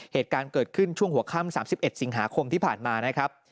เหตุการณ์เกิดขึ้นช่วงหัวค่ำ๓๑สิงหาคมที่ผ่านมานะครับ